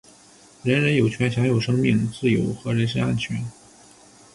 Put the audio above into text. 人人有权享有生命、自由和人身安全。